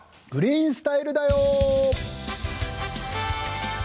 「グリーンスタイル」だよ。